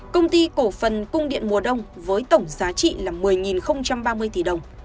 công ty cổ phần cung điện mùa đông với tổng giá trị là một mươi ba mươi tỷ đồng